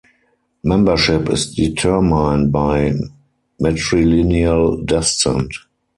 Membership is determined by matrilineal descent.